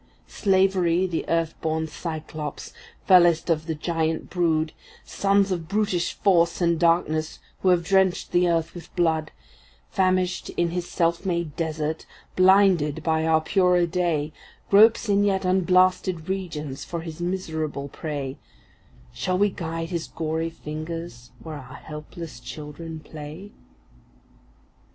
’ Slavery, the earth born Cyclops, fellest of the giant brood, Sons of brutish Force and Darkness, who have drenched the earth with blood, Famished in his self made desert, blinded by our purer day, Gropes in yet unblasted regions for his miserable prey;— Shall we guide his gory fingers where our helpless children play?